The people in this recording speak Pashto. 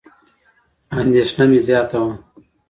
اندېښنه مې زیاته وه.